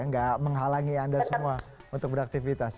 nggak menghalangi anda semua untuk beraktifitas ya